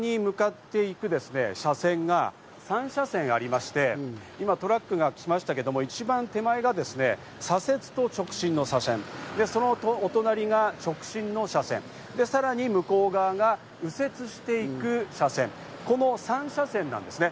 この道はその交差点に向かっていく車線が３車線ありまして、今、トラックが来ましたけれども、一番手前が左折と直線の車線、そのお隣が直進の車線、さらに向こう側が右折していく車線、この３車線なんですね。